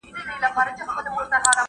رند به په لاسو کي پیاله نه لري !.